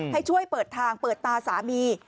ให้ช่วยเปิดทางเปิดตาสามี